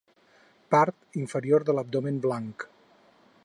Part inferior de l'abdomen blanc.